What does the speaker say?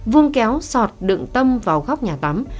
vuông kéo sọt đựng tâm vào góc nhà tắm